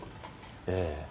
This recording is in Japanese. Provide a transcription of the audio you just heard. ええ。